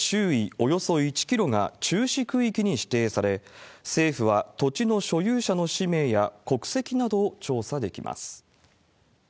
およそ１キロが注視区域に指定され、政府は、土地の所有者の氏名や国籍などを調査できます。